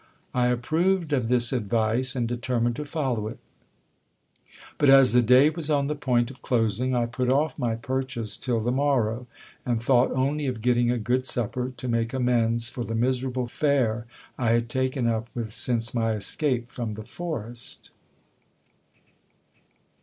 I approved of this advice, and determined to follow it ; but, as the day was on the point of closing, I put off my purchase till the morrow, and thought only of getting a good supper, to make amends for the miserable fare I had taken up with since my escape from the forest.